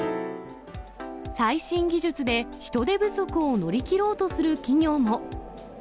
最新技術で人手不足を乗り切ろうとする企業も。